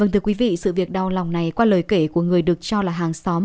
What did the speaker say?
thưa quý vị sự việc đau lòng này qua lời kể của người được cho là hàng xóm